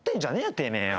てめえよ。